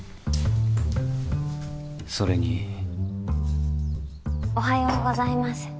それにおはようございます。